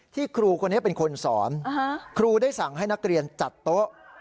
ครูคนนี้เป็นคนสอนครูได้สั่งให้นักเรียนจัดโต๊ะ